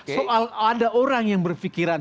soal ada orang yang berpikiran